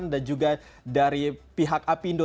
dan juga dari pihak apindo